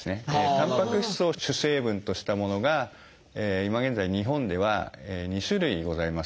タンパク質を主成分としたものが今現在日本では２種類ございます。